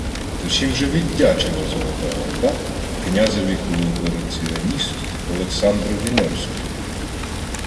То чим же віддячила Золота Орда князеві-колабораціоністу Олександрові Невському?